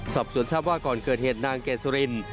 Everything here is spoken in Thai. สอบสวนทราบว่าก่อนเกิดเหตุนางเกดสุริน